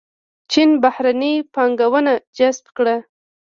چین بهرنۍ پانګونه جذب کړه.